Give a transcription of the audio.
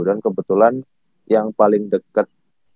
dan kebetulan yang paling deket